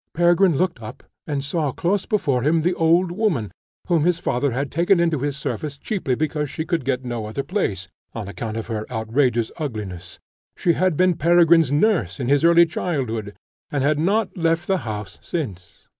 Peregrine looked up and saw close before him the old woman, whom his father had taken into his service chiefly because she could get no other place, on account of her outrageous ugliness: she had been Peregrine's nurse in his early childhood, and had not left the house since.